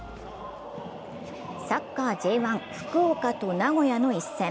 サッカーＪ１、福岡と名古屋の一戦。